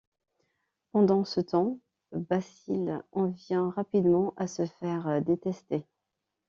Pendant ce temps, Basile en vient rapidement à se faire détester.